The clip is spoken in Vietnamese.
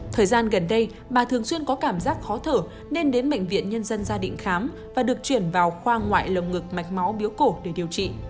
thời gian gần đây bà thường xuyên có cảm giác khó thở nên đến bệnh viện nhân dân gia định khám và được chuyển vào khoa ngoại lồng ngực mạch máu biếu cổ để điều trị